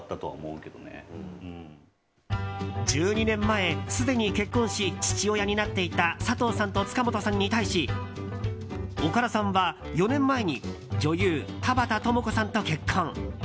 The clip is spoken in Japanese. １２年前すでに結婚し父となっていた佐藤さんと塚本さんに対し岡田さんは４年前に女優・田畑智子さんと結婚。